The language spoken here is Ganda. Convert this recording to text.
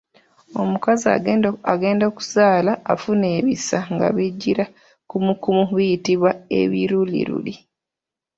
Omukazi agenda okuzaala afuna ebisa nga bijjira kumukumu biyitibwa ebiruliruli.